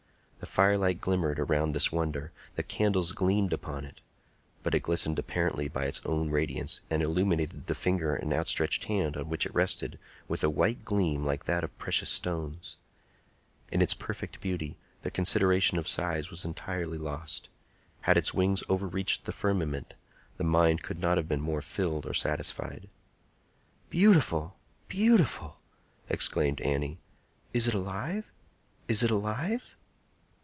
The firelight glimmered around this wonder—the candles gleamed upon it; but it glistened apparently by its own radiance, and illuminated the finger and outstretched hand on which it rested with a white gleam like that of precious stones. In its perfect beauty, the consideration of size was entirely lost. Had its wings overreached the firmament, the mind could not have been more filled or satisfied. "Beautiful! beautiful!" exclaimed Annie. "Is it alive? Is it alive?"